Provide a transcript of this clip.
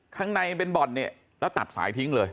ข้างในมันเป็นบ่อนเนี่ยแล้วตัดสายทิ้งเลย